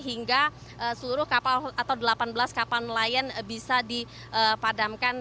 hingga seluruh kapal atau delapan belas kapal nelayan bisa dipadamkan